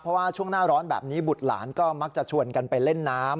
เพราะว่าช่วงหน้าร้อนแบบนี้บุตรหลานก็มักจะชวนกันไปเล่นน้ำ